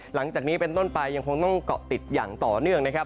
หลังจากนี้เป็นต้นไปยังคงต้องเกาะติดอย่างต่อเนื่องนะครับ